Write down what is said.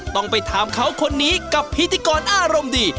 ต้องไปถามเขาคนนี้กับพิธีกรอารมณ์ดี